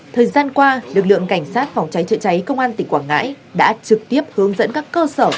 thời gian qua lực lượng cảnh sát phòng cháy chữa cháy công an tỉnh quảng ngãi đã trực tiếp hướng dẫn các cơ sở